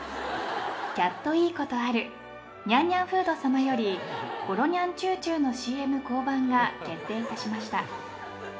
キャットいいことあるにゃんにゃんフードさまよりごろにゃんチューチューのＣＭ降板が決定いたしました。